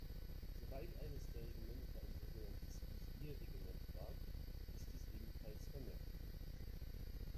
Soweit eines der Regimenter ein sogenanntes Füsilierregiment war, ist dies ebenfalls vermerkt.